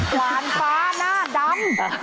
หวานฟ้าหน้าดำ